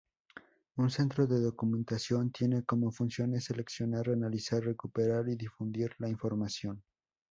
Un centro de documentación tiene como funciones seleccionar, analizar, recuperar y difundir la información.